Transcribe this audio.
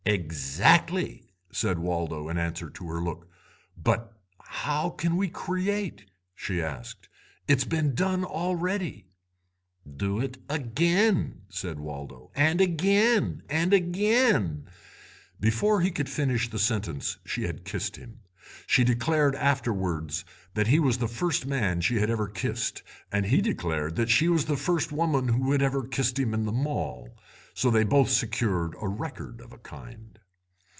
"'Exactly,' said Waldo, in answer to her look. "'But—how can we create?' she asked; 'it's been done already.' "'Do it again,' said Waldo, 'and again and again—' "Before he could finish the sentence she had kissed him. She declared afterwards that he was the first man she had ever kissed, and he declared that she was the first woman who had ever kissed him in the Mall, so they both secured a record of a kind.